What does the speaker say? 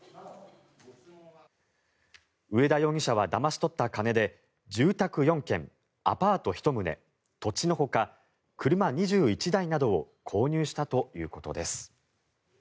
上田容疑者はだまし取った金で住宅４軒アパート１棟、土地のほか車２１台などを購入したということです。